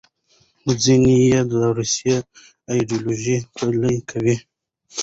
ځینې یې د روسي ایډیالوژي پلې کول.